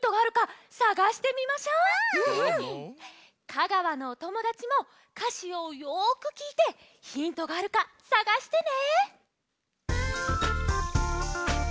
香川のおともだちもかしをよくきいてヒントがあるかさがしてね！